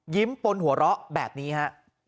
ปนหัวเราะแบบนี้ฮะ